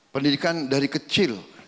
pendidikan dari kecil